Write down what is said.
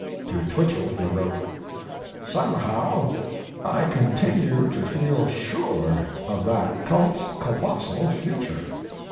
To Twichell he wrote: Somehow I continue to feel sure of that cult's colossal future....